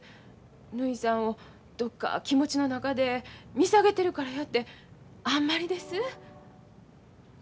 ぬひさんをどっか気持ちの中で見下げてるからやてあんまりです。